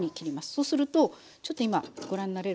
そうするとちょっと今ご覧になれるかしらね。